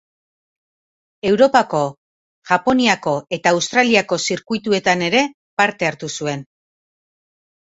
Europako, Japoniako eta Australiako zirkuituetan ere parte hartu zuen.